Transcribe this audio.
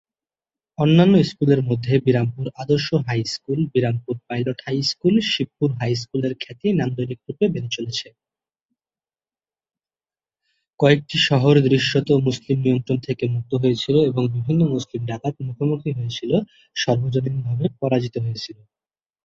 কয়েকটি শহর দৃশ্যত মুসলিম নিয়ন্ত্রণ থেকে মুক্ত হয়েছিল এবং বিভিন্ন মুসলিম ডাকাত মুখোমুখি হয়েছিল সর্বজনীনভাবে পরাজিত হয়েছিল।